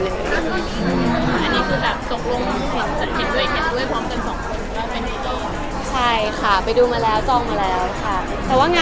อันนี้คือแบบสกลง